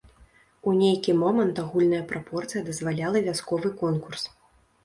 У нейкі момант агульная прапорцыя дазваляла вясковы конкурс.